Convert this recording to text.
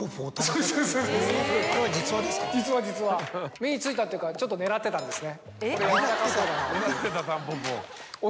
目についたというかちょっと狙ってたんですね。